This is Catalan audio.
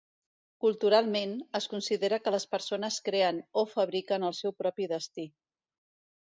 Culturalment, es considera que les persones creen o fabriquen el seu propi destí.